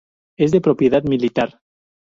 Es de propiedad militar.